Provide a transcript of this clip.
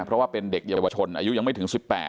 เพราะว่าเป็นเด็กเยาวชนอายุยังไม่ถึง๑๘